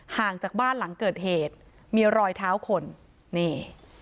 ห่างจากบ้านหลังเกิดเหตุมีรอยเท้าคนนี่